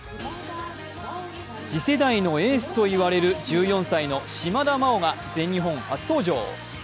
次世代のエースといわれる１４歳の島田麻央が全日本初登場。